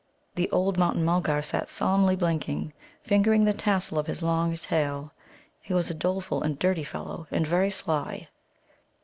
The old Mountain mulgar sat solemnly blinking, fingering the tassel of his long tail. He was a doleful and dirty fellow, and very sly.